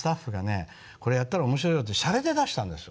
「これやったら面白いよ」ってしゃれで出したんですよ。